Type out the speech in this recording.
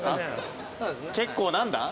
結構何だ？